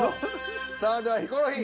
さあではヒコロヒー。